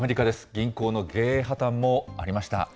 銀行の経営破綻もありました。